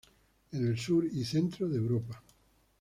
En el sur y centro de Europa.